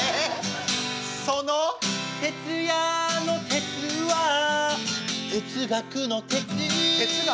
その哲也の哲は哲学の「哲」哲学。